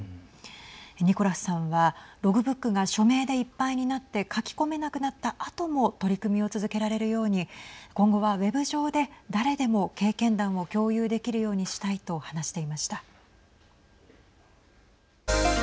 ニコラスさんはログブックが署名でいっぱいになって書き込めなくなったあとも取り組みを続けられるように今後はウェブ上で誰でも経験談を共有できるようにしたいと話していました。